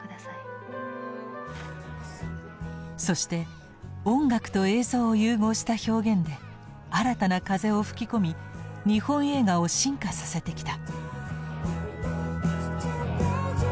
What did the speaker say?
そして音楽と映像を融合した表現で新たな風を吹き込み日本映画を進化させてきた。